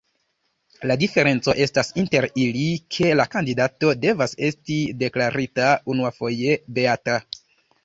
La diferenco estas inter ili, ke la kandidato devas esti deklarita unuafoje beata.